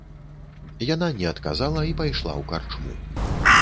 Яна не адказала і пайшла ў карчму.